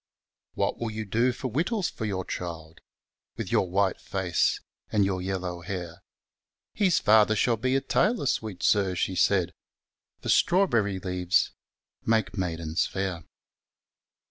What will you do for whittles for your child, Withyourwhiieface, andy our yellow hair ? His father fiall be a toy lor, fweet Sir, fie faid, Forftrawberry 'leaves make maidens fair.